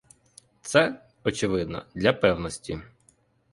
Це — очевидно — для певності.